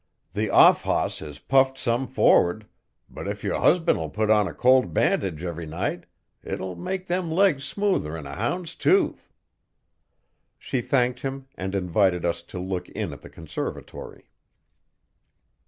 The off hoss is puffed some for'ard but if yer husband'll put on a cold bandage ev'ry night it'll make them legs smoother n a hound's tooth. She thanked him and invited us to look in at the conservatory.